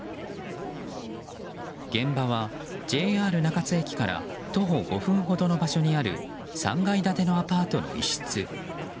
現場はＪＲ中津駅から徒歩５分ほどの場所にある３階建てのアパートの一室。